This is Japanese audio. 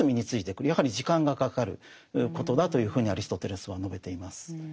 やはり時間がかかることだというふうにアリストテレスは述べています。